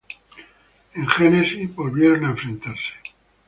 En "Genesis", volvieron a enfrentarse.